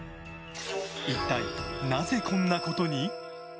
一体なぜ、こんなことに？